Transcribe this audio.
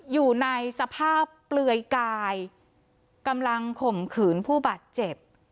อยู่ในสภาพเปลือยกายกำลังข่มขืนผู้บาดเจ็บ